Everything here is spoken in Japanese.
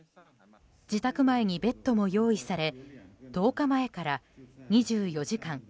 自宅前にベッドも用意され１０日前から２４時間